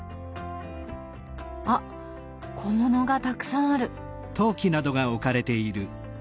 あっ小物がたくさんある。